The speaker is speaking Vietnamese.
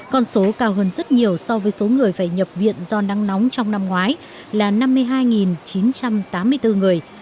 con số cao hơn rất nhiều so với số người phải nhập viện do nắng nóng trong năm ngoái là năm mươi hai chín trăm tám mươi bốn người